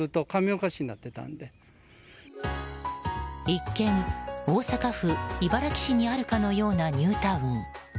一見、大阪府茨木市にあるかのようなニュータウン。